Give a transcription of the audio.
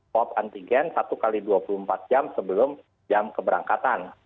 swab antigen satu x dua puluh empat jam sebelum jam keberangkatan